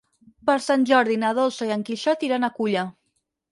Per Sant Jordi na Dolça i en Quixot iran a Culla.